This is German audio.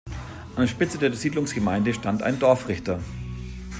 An der Spitze der Siedlungsgemeinde stand ein Dorfrichter.